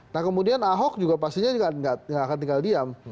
nah kemudian ahok juga pastinya nggak akan tinggal diam